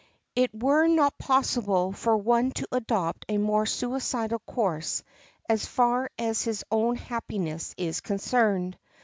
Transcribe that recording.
It were not possible for one to adopt a more suicidal course as far as his own happiness is concerned.